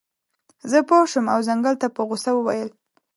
زه پوه شم او ځنګل ته په غوسه وویل.